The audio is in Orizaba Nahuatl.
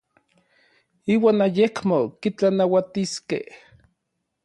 Iuan ayekmo kitlanauatiskej.